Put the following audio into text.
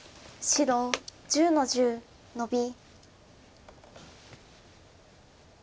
白１０の十ノビ。